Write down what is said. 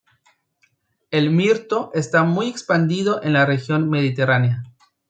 El mirto está muy expandido en la región mediterránea.